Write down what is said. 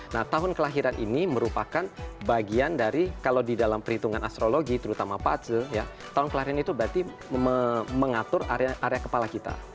nah tahun kelahiran ini merupakan bagian dari kalau di dalam perhitungan astrologi terutama patse ya tahun kemarin itu berarti mengatur area kepala kita